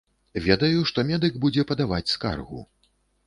Ведаю, што медык будзе падаваць скаргу.